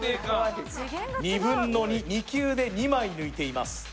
２分の２、２球で２枚抜いています。